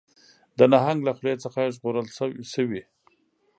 د نهنګ له خولې څخه ژغورل شوي